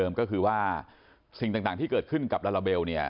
เหมือนเดิมก็คือว่าสิ่งต่างที่เกิดขึ้นกับลาลาเบล